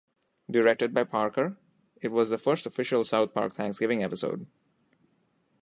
Directed by Parker, it was the first official "South Park" Thanksgiving episode.